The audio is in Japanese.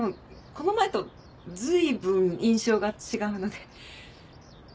この前と随分印象が違うので。